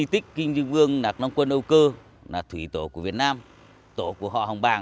cái di tích kinh dương vương lạc long quân âu cơ là thủy tổ của việt nam tổ của họ hồng bàng